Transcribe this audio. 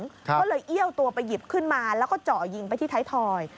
ก็เลยเอี้ยวตัวไปหยิบขึ้นมาแล้วก็เจาะยิงไปที่ไทยทอย